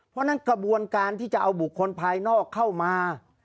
เพราะฉะนั้นกระบวนการที่จะเอาบุคคลภายนอกเข้ามา